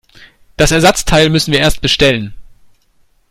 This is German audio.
Das Ersatzteil müssten wir erst bestellen.